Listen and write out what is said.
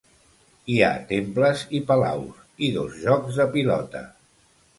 Hi ha temples i palaus, i dos jocs de pilota.